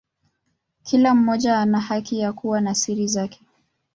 Kila mmoja ana haki ya kuwa na siri zake.